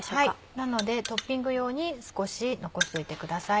なのでトッピング用に少し残しておいてください。